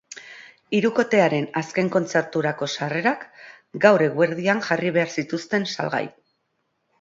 Hirukotearen azken kontzerturako sarrerak gaur eguerdian jarri behar zituzten salgai.